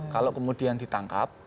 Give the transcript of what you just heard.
kalau kemudian ditangkap